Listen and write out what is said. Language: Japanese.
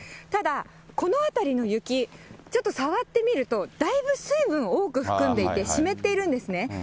ただ、この辺りの雪、ちょっと触ってみると、だいぶ水分を多く含んでいて、湿っているんですね。